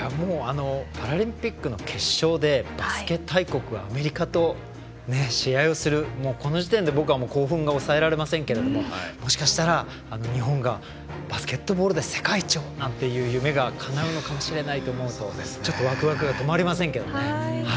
パラリンピックの決勝でバスケ大国アメリカと試合をする、この時点で僕は興奮が抑えられませんがもしかしたら、日本がバスケットボールで世界一という夢がかなうのかもしれないと思うとちょっとワクワクが止まりませんけどね。